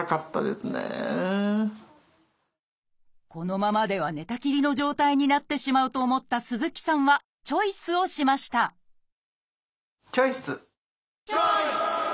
このままでは寝たきりの状態になってしまうと思った鈴木さんはチョイスをしましたチョイス！